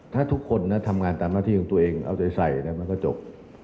ถ้าทุกคนทำงานตามหน้าที่ของตัวเองเอาใจใส่มันก็จบ